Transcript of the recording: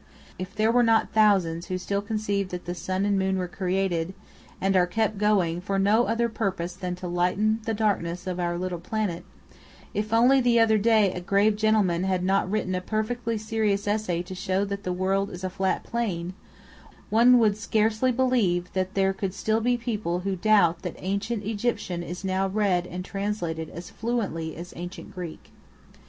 If there were not thousands who still conceive that the sun and moon were created, and are kept going, for no other purpose than to lighten the darkness of our little planet; if only the other day a grave gentleman had not written a perfectly serious essay to show that the world is a flat plain, one would scarcely believe that there could still be people who doubt that ancient Egyptian is now read and translated as fluently as ancient Greek.